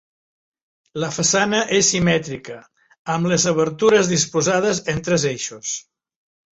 La façana és simètrica amb les obertures disposades en tres eixos.